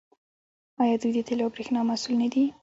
آیا دوی د تیلو او بریښنا مسوول نه دي؟